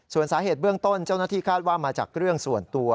ส่วนสาเหตุเบื้องต้นเจ้าหน้าที่คาดว่ามาจากเรื่องส่วนตัว